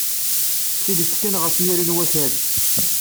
Sillet kan ɣef yiri n wakal.